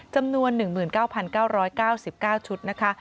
จำนวน๑๙๙๙๙๙ชุดนะคะ